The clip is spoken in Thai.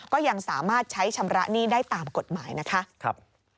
ก็ยังสามารถใช้ชำระหนี้ได้ตามกฎหมายนะคะ